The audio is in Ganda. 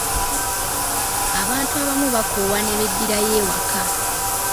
Abantu abamu baakoowa ne beddirayo ewaka.